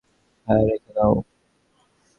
হ্যাঁ, রেখে দাও।